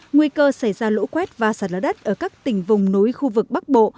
nguy cơ xảy ra lũ quét và sạt lở đất ở các tỉnh vùng núi khu vực bắc bộ